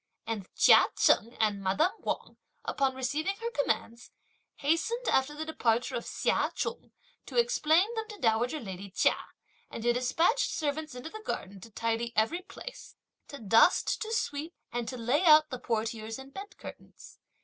And Chia Cheng and madame Wang, upon receiving her commands, hastened, after the departure of Hsia Chung, to explain them to dowager lady Chia, and to despatch servants into the garden to tidy every place, to dust, to sweep, and to lay out the portieres and bed curtains.